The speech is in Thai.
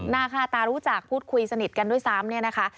หน้าค่าตารู้จักพูดคุยสนิทกันด้วยซ้ำเนี่ยนะคะ